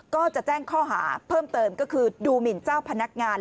ก็จะแจ้งข้อหาเพิ่มเติมก็คือดูหมินเจ้าพนักงาน